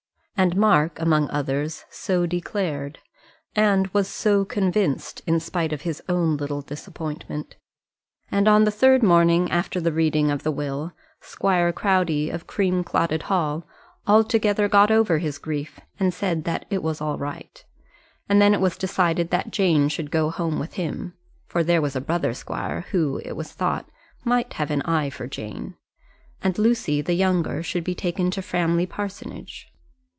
And Mark, among others, so declared, and was so convinced in spite of his own little disappointment. And on the third morning after the reading of the will Squire Crowdy, of Creamclotted Hall, altogether got over his grief, and said that it was all right. And then it was decided that Jane should go home with him, for there was a brother squire who, it was thought, might have an eye to Jane; and Lucy, the younger, should be taken to Framley Parsonage.